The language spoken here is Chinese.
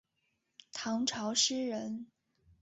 唐朝诗人。